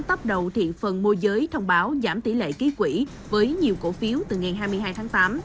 tắp đầu thiện phần môi giới thông báo giảm tỷ lệ ký quỷ với nhiều cổ phiếu từ ngày hai mươi hai tháng tám